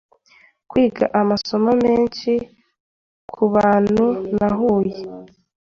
Kwiga amasomo menshi kubantu nahuye